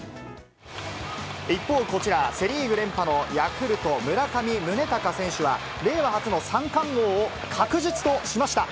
一方、こちら、セ・リーグ連覇のヤクルト、村上宗隆選手は、令和初の三冠王を確実としました。